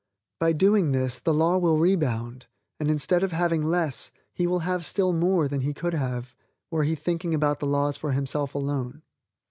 By doing this, the law will rebound, and, instead of having less, he will have still more than he would have were he thinking about the laws for himself alone.